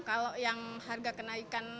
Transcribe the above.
kalau yang harga kenaikan